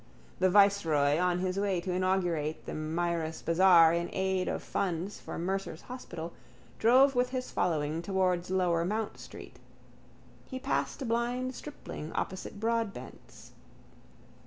The viceroy, on his way to inaugurate the Mirus bazaar in aid of funds for Mercer's hospital, drove with his following towards Lower Mount street. He passed a blind stripling opposite Broadbent's.